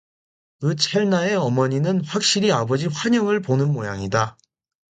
그 찰나에 어머니는 확실히 아버지 환영을 보는 모양이다.